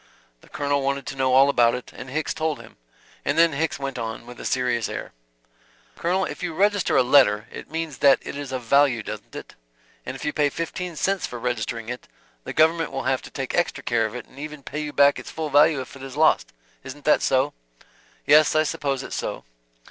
The Colonel wanted to know all about it, and Hicks told him. And then Hicks went on, with a serious air, "Colonel, if you register a letter, it means that it is of value, doesn't it? And if you pay fifteen cents for registering it, the government will have to take extra care of it and even pay you back its full value if it is lost. Isn't that so?" "Yes. I suppose it's so.".